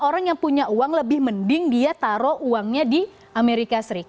orang yang punya uang lebih mending dia taruh uangnya di amerika serikat